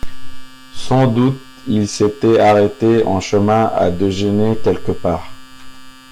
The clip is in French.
Sans doute il s’était arrêté en chemin, à déjeuner quelque part.